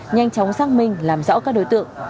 nhanh chóng xác minh làm rõ các đối tượng